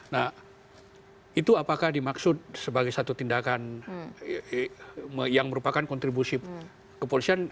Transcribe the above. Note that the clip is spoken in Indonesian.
nah itu apakah dimaksud sebagai satu tindakan yang merupakan kontribusi kepolisian